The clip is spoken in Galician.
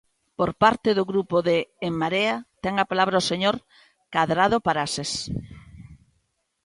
Por parte do Grupo de En Marea ten a palabra o señor Cadrado Paraxes.